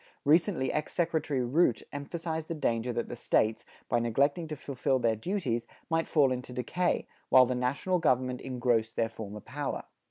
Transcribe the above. Recently ex secretary Root emphasized the danger that the States, by neglecting to fulfil their duties, might fall into decay, while the national government engrossed their former power.